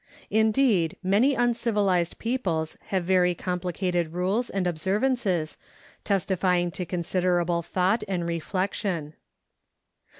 Indeed, many uncivilized peoples have very complicated rules and observances, testifying to considerable thought and reflection.